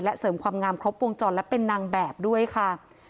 เสริมความงามครบวงจรและเป็นนางแบบด้วยค่ะ